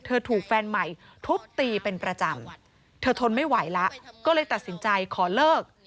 ถูกแฟนใหม่ทุบตีเป็นประจำเธอทนไม่ไหวแล้วก็เลยตัดสินใจขอเลิก